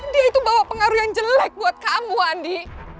dia itu bawa pengaruh yang jelek buat kamu andi